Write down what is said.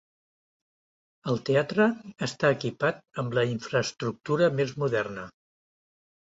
El teatre està equipat amb la infraestructura més moderna.